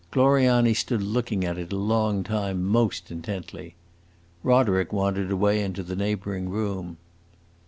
Gloriani stood looking at it a long time most intently. Roderick wandered away into the neighboring room.